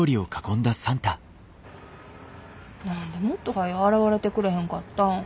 何でもっとはよ現れてくれへんかったん。